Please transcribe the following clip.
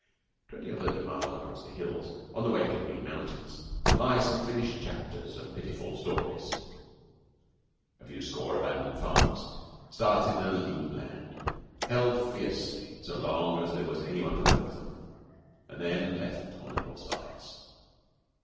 Twenty or thirty miles across the hills, on the way to the Green Mountains, lie some finished chapters of pitiful stories a few score abandoned farms, started in a lean land, held fiercely so long as there was any one to work them, and then left on the hill sides.